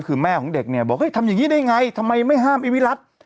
คือแม่ของเด็กเนี่ยบอกเฮ้ยทำอย่างนี้ได้ไงทำไมไม่ห้ามไอ้วิรัติ